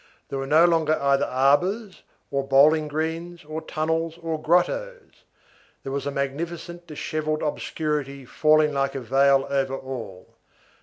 There were no longer either arbors, or bowling greens, or tunnels, or grottos; there was a magnificent, dishevelled obscurity falling like a veil over all.